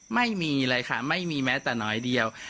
ไม่มีเลยค่ะไม่มีแม้แต่น้อยเดียว